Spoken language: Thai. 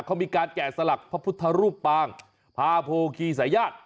เขามีการแก่สลักพระพุทธรูปปางพาโพคีสายาท